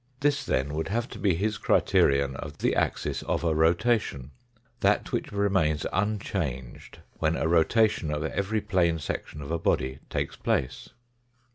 This, then, would have to be his criterion of the axis of a rotation that which remains unchanged when a rotation of every plane section of a body takes place.